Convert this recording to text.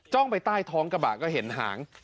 ไปใต้ท้องกระบะก็เห็นหาง